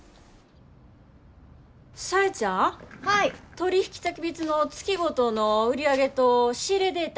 取引先別の月ごとの売り上げと仕入れデータ